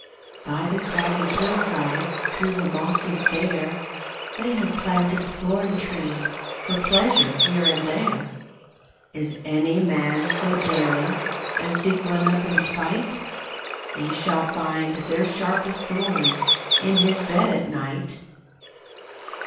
By the craggy hillside, Through the mosses bare, They have planted thorn trees For pleasure here and there. Is any man so daring As dig one up in spite? He shall find their sharpest thorns In his bed at night.